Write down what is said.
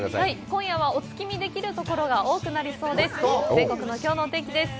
今夜はお月見できるところが多くなりそうです。